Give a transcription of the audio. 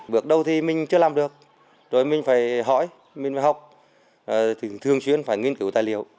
bước đầu thì mình chưa làm được rồi mình phải hỏi mình phải học thì thường xuyên phải nghiên cứu tài liệu